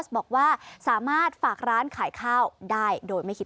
บอกว่าสามารถฝากร้านขายข้าวได้โดยไม่คิด